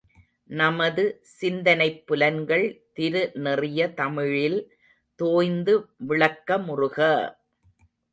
நமது சிந்தனைப் புலன்கள் திரு நெறிய தமிழில் தோய்ந்து விளக்கமுறுக!